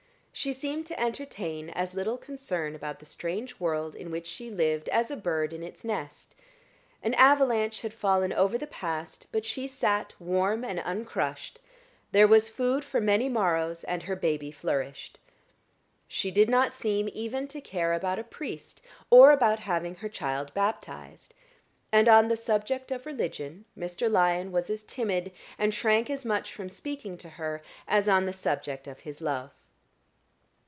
She seemed to entertain as little concern about the strange world in which she lived as a bird in its nest: an avalanche had fallen over the past, but she sat warm and uncrushed there was food for many morrows, and her baby flourished. She did not seem even to care about a priest, or about having her child baptized; and on the subject of religion Mr. Lyon was as timid, and shrank as much from speaking to her, as on the subject of his love.